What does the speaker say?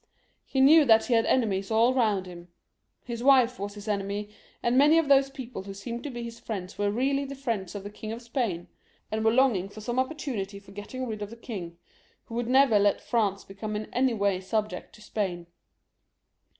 He knew that he W enemies aU round him. His wife was his enemy, and many of those people who seemed to be his friends were really the friends of the King of Spain, and were longing for some opportunity for getting rid of the king, who would never let France become in any way subject to Spain.